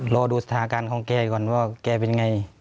รอดูสถานการณ์ของแกก่อนว่าแกเป็นไง